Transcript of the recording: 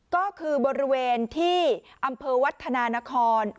ก็คือบริเวณที่อำเภอวัฒนานคร